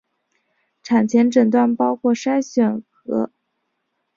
产前诊断包括筛查和诊断性检测。